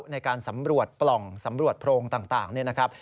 ในการสำรวจปล่องสำรวจโพรงต่างนี่นะครับ